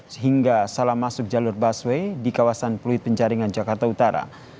sehingga salah masuk jalur busway di kawasan pluit penjaringan jakarta utara